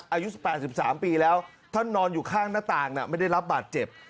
อายุ๘๓ปีแล้วท่านนอนอยู่ข้างหน้าต่างไม่ได้รับบาดเจ็บ